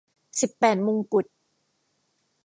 สิบแปดมงกุฎ